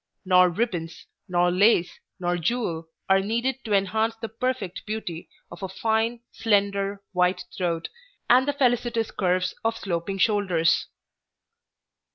Nor ribbons, nor lace, nor jewel are needed to enhance the perfect beauty of a fine, slender, white throat, and the felicitous curves of sloping shoulders.